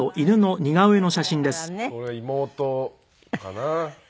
これ妹かな。